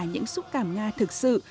những xúc cảm nga thực sự